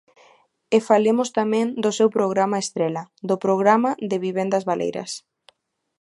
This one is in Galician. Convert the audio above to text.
E falemos tamén do seu programa estrela, do Programa de vivendas baleiras.